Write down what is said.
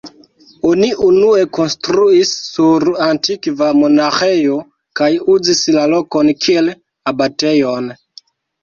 Oni unue konstruis sur antikva monaĥejo kaj uzis la lokon kiel abatejon.